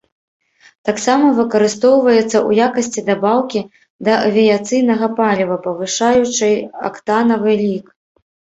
Таксама выкарыстоўваецца ў якасці дабаўкі да авіяцыйнага паліва, павышаючай актанавы лік.